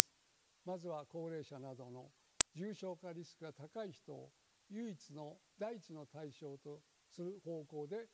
まずは高齢者などの重症化リスクが高い人を第一の対象とする方向で考えられています。